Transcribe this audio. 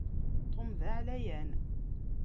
Tom d aɛlayan.